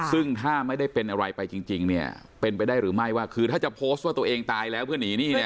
ซึ่งถ้าไม่ได้เป็นอะไรไปจริงเนี่ยเป็นไปได้หรือไม่ว่าคือถ้าจะโพสต์ว่าตัวเองตายแล้วเพื่อหนีหนี้เนี่ย